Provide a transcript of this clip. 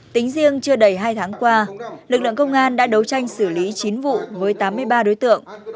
tính riêng chưa đầy hai tháng qua lực lượng công an đã đấu tranh xử lý chín vụ với tám mươi ba đối tượng